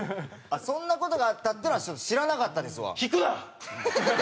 そんな事があったっていうのはちょっと知らなかったですわ。